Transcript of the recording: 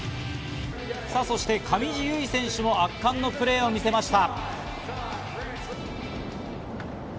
そして上地結衣選手も圧巻のプレーを見せました。